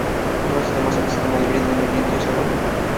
Otro sistema es el sistema híbrido de viento y solar.